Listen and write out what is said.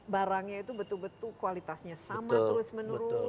barangnya itu betul betul kualitasnya sama terus menerus